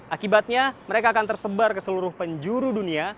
akibatnya mereka akan tersebar ke seluruh penjuru dunia